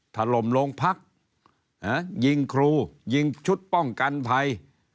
ถล่มโรงพักยิงครูยิงชุดป้องกันภัย